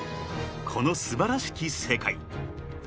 『この素晴らしき世界』］